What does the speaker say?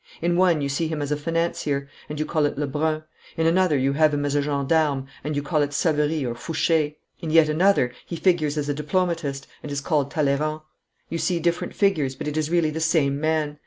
In one you see him as a financier, and you call it Lebrun. In another you have him as a gendarme, and you name it Savary or Fouche. In yet another he figures as a diplomatist, and is called Talleyrand. You see different figures, but it is really the same man.